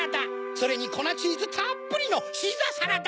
それにこなチーズたっぷりのシーザーサラダ。